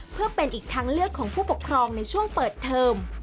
เพื่อเป็นอีกทางเลือกของผู้ปกครองในช่วงเปิดเทอม